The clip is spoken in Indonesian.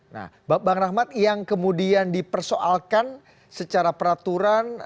nah bang rahmat yang kemudian dipersoalkan secara peraturan